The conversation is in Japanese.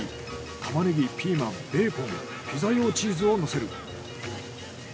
タマネギ・ピーマン・ベーコン・ピザ用チーズをのせる。